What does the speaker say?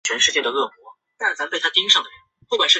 粉红溲疏为虎耳草科溲疏属下的一个种。